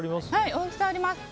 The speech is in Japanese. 大きさあります。